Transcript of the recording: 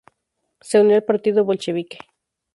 Se unió al Partido Bolchevique.